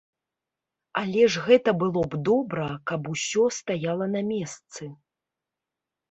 Але ж гэта было б добра, каб усё стаяла на месцы.